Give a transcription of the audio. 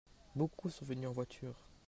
Beaucoup sont venus en voiture.